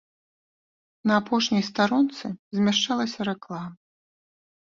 На апошняй старонцы змяшчалася рэклама.